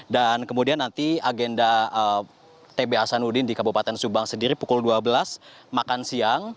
dan kemudian nanti agenda tb hasanudin di kabupaten subang sendiri pukul dua belas makan siang